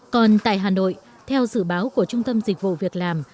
còn tại hà nội theo dự báo của trung tâm dịch vụ việc làm